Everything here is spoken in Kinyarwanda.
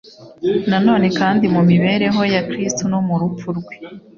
Na none kandi mu mibereho ya Kristo no mu rupfu rwe,